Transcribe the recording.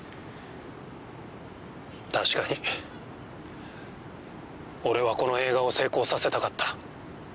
確かに俺はこの映画を成功させたかった。